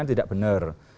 itu tidak benar